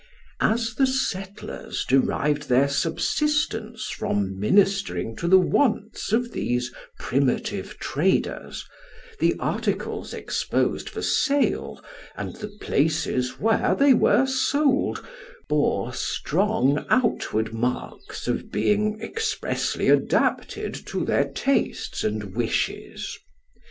As the settlers derived their subsistence from ministering to the wants of these primitive traders, the articles exposed for sale, and the places where they were sold, bore strong outward marks of being ex pressly adapted to their tastes and wishes.